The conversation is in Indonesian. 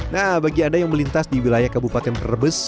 nah bagi anda yang melintas di wilayah kabupaten brebes